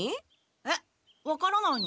えっ分からないの？